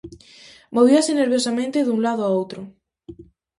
Movíase nerviosamente dun lado a outro.